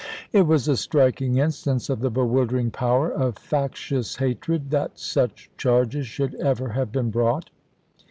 It was a striking instance of the bewildering power of factious hatred that such charges should ever have been brought.